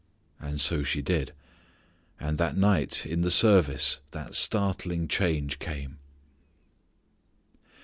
And so she did. And that night in the service that startling change came.